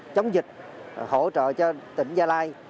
chống dịch hỗ trợ cho tỉnh gia lai